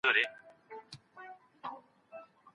د سترو کورنيو تر منځ دوستي څنګه په کرکه اوړي؟